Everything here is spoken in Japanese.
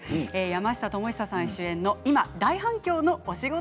山下智久さん主演の、今大反響のお仕事